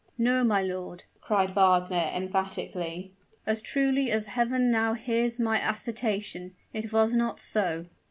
"No, my lord!" cried Wagner, emphatically. "As truly as Heaven now hears my assertion, it was not so!"